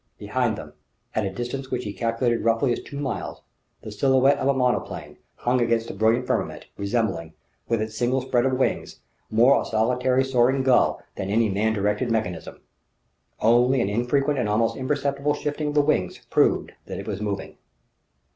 Behind them, at a distance which he calculated roughly as two miles, the silhouette of a monoplane hung against the brilliant firmament, resembling, with its single spread of wings, more a solitary, soaring gull than any man directed mechanism. Only an infrequent and almost imperceptible shifting of the wings proved that it was moving.